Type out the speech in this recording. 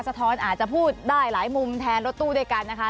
อาจจะพูดได้หลายมุมแทนรถตู้ด้วยกันนะคะ